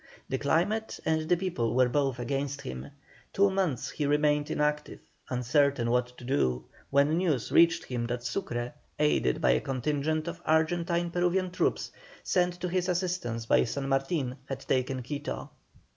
The climate and the people were both against him; two months he remained inactive, uncertain what to do, when news reached him that Sucre, aided by a contingent of Argentine Peruvian troops, sent to his assistance by San Martin, had taken Quito.